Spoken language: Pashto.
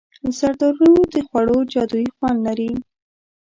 زردالو د خوړو جادويي خوند لري.